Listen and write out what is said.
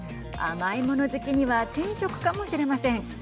甘いもの好きには天職かもしれません。